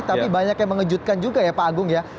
tapi banyak yang mengejutkan juga ya pak agung ya